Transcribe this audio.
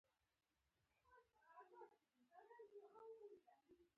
Full Employment